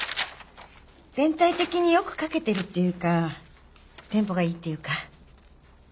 全体的によく書けてるっていうかテンポがいいっていうか。